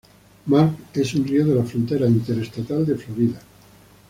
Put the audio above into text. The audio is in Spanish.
Marks es un río de la frontera interestatal de Florida.